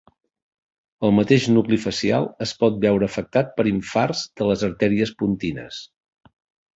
El mateix nucli facial es pot veure afectat per infarts de les artèries pontines.